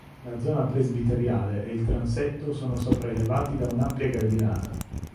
La zona presbiteriale e il transetto sono sopraelevati da un'ampia gradinata.